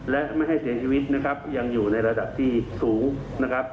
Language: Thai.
และไม่ให้เสียชีวิตนะครับยังอยู่ในระดับที่สูงนะครับ